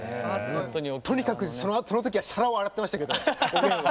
とにかくその時は皿を洗ってましたけどおげんは。